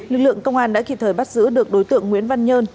lực lượng công an đã kịp thời bắt giữ được đối tượng nguyễn văn nhơn